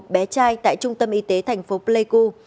bé trai tại trung tâm y tế thành phố pleiku